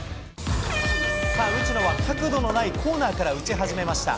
内野は角度のないコーナーから打ち始めました。